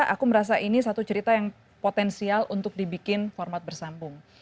aku merasa ini satu cerita yang potensial untuk dibikin format bersambung